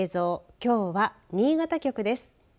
きょうは新潟局です。